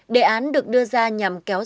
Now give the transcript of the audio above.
đề án được đưa ra nhằm kéo ra